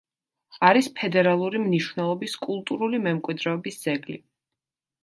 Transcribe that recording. არის ფედერალური მნიშვნელობის კულტურული მემკვიდრეობის ძეგლი.